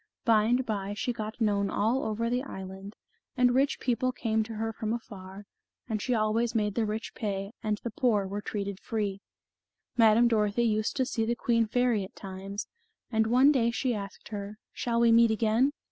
By and by, she got known all over the island, and rich people came to her from afar, and she always made the rich pay, and the poor were treated free. Madame Dorothy used to see the queen fairy at times, and one day she asked her, "Shall we meet again?"